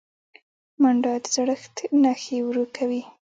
منډه د زړښت نښې ورو کوي